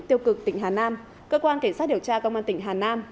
tiêu cực tỉnh hà nam cơ quan cảnh sát điều tra công an tỉnh hà nam